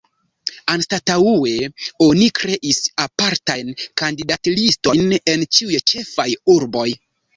Anstataŭe oni kreis apartajn kandidatlistojn en ĉiuj ĉefaj urboj.